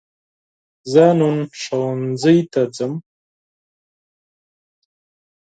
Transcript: زه نن ښوونځي ته ځم